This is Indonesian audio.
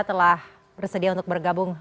telah bersedia untuk bergabung